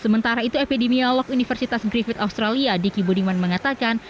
sementara itu epidemiolog universitas griffith australia diki budiman mengatakan